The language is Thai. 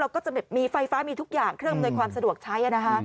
ก็จะมีไฟฟ้ามีทุกอย่างเครื่องอำนวยความสะดวกใช้